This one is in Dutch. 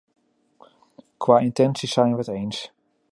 Qua intentie zijn we het eens.